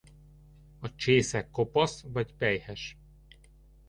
A csésze kopasz vagy pelyhes.